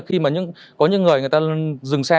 khi mà có những người người ta dừng xe